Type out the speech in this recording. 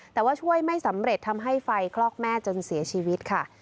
แต่ว่าช่วยไม่สำเร็จทำให้ไฟคลอกแม่จนเสียชีวิตค่ะ